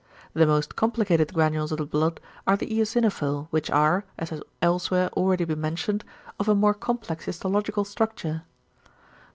The most complicated granules of the blood are the eosinophil, which are, as has elsewhere already been mentioned, of a more complex histological structure.